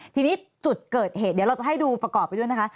ทีนี้จุดเกิดเหตุเดี๋ยวเราจะให้ดูประกอบไปด้วยนะคะ